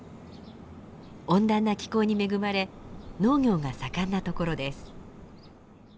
温暖な気候に恵まれ農業が盛んな所です。